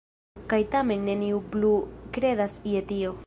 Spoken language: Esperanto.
Kaj tamen neniu plu kredas je tio.